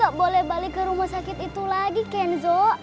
kamu bisa lagi ke rumah sakit itu lagi kenzo